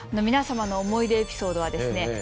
皆様の思い出エピソードはですね